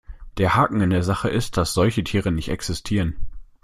Der Haken an der Sache ist, dass solche Tiere nicht existieren.